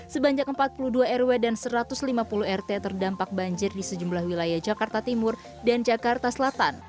sebanyak empat puluh dua rw dan satu ratus lima puluh rt terdampak banjir di sejumlah wilayah jakarta timur dan jakarta selatan